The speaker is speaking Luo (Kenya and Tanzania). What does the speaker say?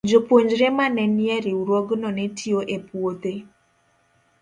Jopuonjre ma ne nie riwruogno ne tiyo e puothe.